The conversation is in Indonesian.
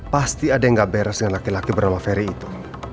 pasti ada yang gak beres dengan laki laki bernama ferry itu